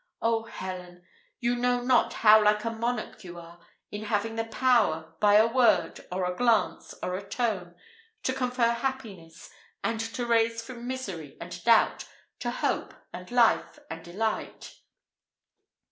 Oh, Helen! you know not how like a monarch you are, in having the power, by a word, or a glance, or a tone, to confer happiness, and to raise from misery and doubt, to hope, and life, and delight."